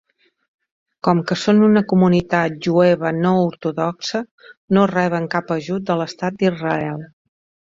Com que són una comunitat jueva no ortodoxa, no reben cap ajut de l'estat d'Israel.